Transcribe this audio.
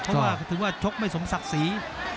เพราะว่าถือว่าชกไม่สมศักดิ์ศรี